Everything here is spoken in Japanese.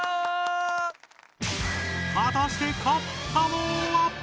はたして勝ったのは！？